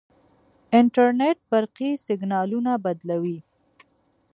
انټرنیټ برقي سیګنالونه بدلوي.